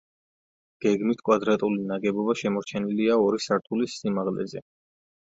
გეგმით კვადრატული ნაგებობა შემორჩენილია ორი სართულის სიმაღლეზე.